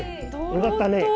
よかったね。